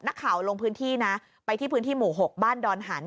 ลงพื้นที่นะไปที่พื้นที่หมู่๖บ้านดอนหัน